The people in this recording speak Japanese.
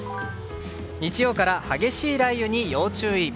日曜から激しい雷雨に要注意。